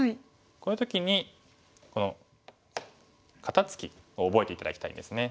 こういう時にこの肩ツキを覚えて頂きたいんですね。